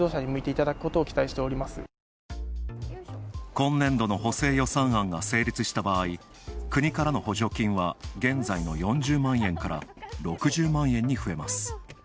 今年度の補正予算案が成立した場合、国からの補助金は現在の４０万円から６０万円に増えます。